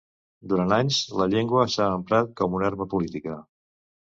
Durant anys, la llengua s’ha emprat com una arma política.